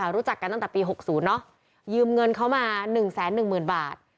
เขารู้จักกันตั้งแต่ปีหกศูนย์เนอะยืมเงินเขามาหนึ่งแสนหนึ่งหมื่นบาท